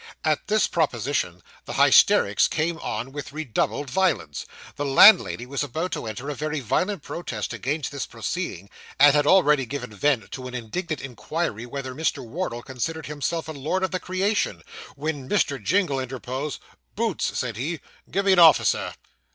At this proposition, the hysterics came on with redoubled violence. The landlady was about to enter a very violent protest against this proceeding, and had already given vent to an indignant inquiry whether Mr. Wardle considered himself a lord of the creation, when Mr. Jingle interposed 'Boots,' said he, 'get me an officer.